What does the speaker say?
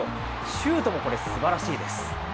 シュートも、これすばらしいです。